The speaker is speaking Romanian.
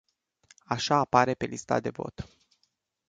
Așa apare pe lista de vot.